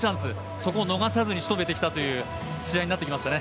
そこを逃さずに仕留めてきたという試合になってきましたね。